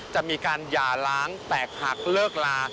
จะมีการหย่าล้างแตกหักเลิกลา